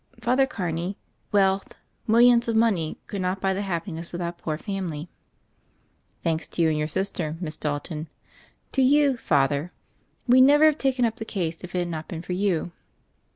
Father Carney, wealth — millions of money could not buy the happiness of that poor family." "Thanks to you and to your sister. Miss Dal ton." "To you, Father. We'd never have taken up the case if it had not been for you."